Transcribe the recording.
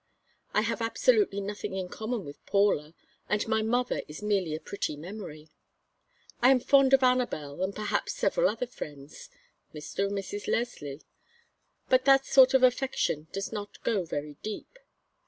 I have absolutely nothing in common with Paula, and my mother is merely a pretty memory. I am fond of Anabel and perhaps several other friends Mr. and Mrs. Leslie; but that sort of affection does not go very deep.